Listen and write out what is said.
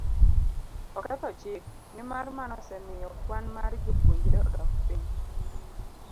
oketho chik, nimar mano osemiyo kwan mar jopuonjre odok piny,